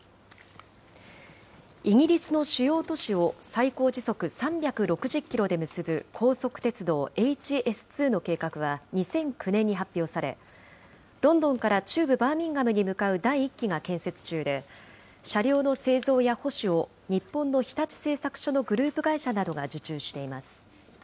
イギリスの主要都市を最高時速３６０キロで結ぶ高速鉄道、ＨＳ２の計画は２００９年に発表され、ロンドンから中部バーミンガムに向かう第１期が建設中で、車両の製造や保守を日本の日立製作所のグループ会社などが受注しています。